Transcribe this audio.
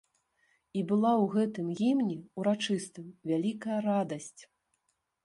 І была ў гэтым гімне ўрачыстым вялікая радасць.